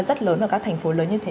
rất lớn và các thành phố lớn như thế